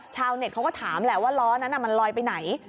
เน็ตเขาก็ถามแหละว่าล้อนั้นมันลอยไปไหน